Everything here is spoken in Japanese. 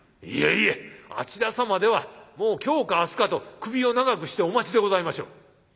「いえいえあちら様ではもう今日か明日かと首を長くしてお待ちでございましょう」。